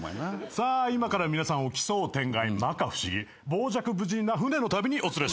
さあ今から皆さんを奇想天外摩訶不思議傍若無人な船の旅にお連れします。